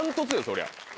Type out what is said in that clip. そりゃ。